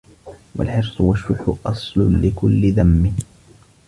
وَالْحِرْصُ وَالشُّحُّ أَصْلٌ لِكُلِّ ذَمٍّ